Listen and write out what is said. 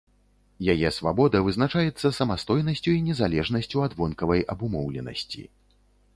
Яе свабода вызначаецца самастойнасцю і незалежнасцю ад вонкавай абумоўленасці.